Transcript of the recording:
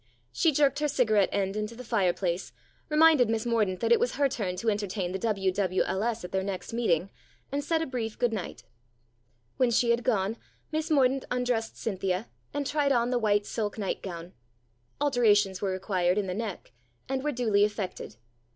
She jerked her cigarette end into the fireplace, reminded Miss Mordaunt that it was her turn to entertain the W.W.L.S. at their next meeting, and said a brief good night. When she had gone, Miss Mordaunt undressed Cynthia and tried on the white silk nightgown. THE DOLL 169 Alterations were required in the neck, and were duly effected.